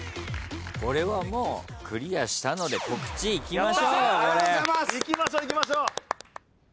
これはもうクリアしたので告知いきましょうよ。